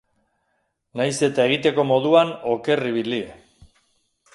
Nahiz eta egiteko moduan oker ibili.